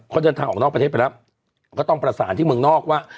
เขาเดินทางออกนอกประเทศไปแล้วก็ต้องประสานที่เมืองนอกว่า